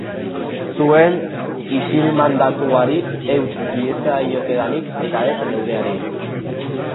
Zuen isilmandatuari euts diezaiokedanik eta ez neureari.